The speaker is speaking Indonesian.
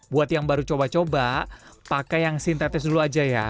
buat yang baru coba coba pakai yang sintetis dulu aja ya